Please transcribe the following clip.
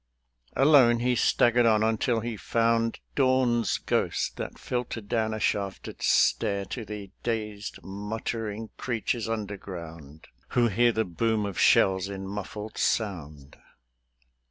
Alone he staggered on until he found Dawn's ghost that filtered down a shafted stair To the dazed, muttering creatures underground Who hear the boom of shells in muffled sound.